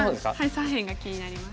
左辺が気になります。